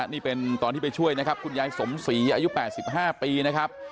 นี่เป็นตอนที่ไปช่วยนะครับคุณยายสมศรีอายุ๘๕ปีนะครับ